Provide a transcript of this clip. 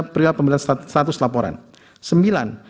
perilai pemilu status laporan